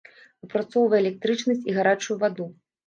Выпрацоўвае электрычнасць і гарачую ваду.